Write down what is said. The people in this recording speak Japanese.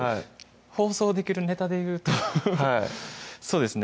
放送できるネタで言うとそうですね